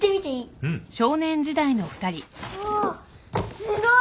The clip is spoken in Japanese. すごい！